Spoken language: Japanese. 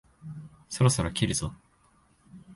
そろそろ切るぞ？